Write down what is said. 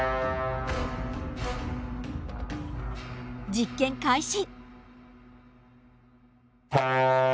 実験開始。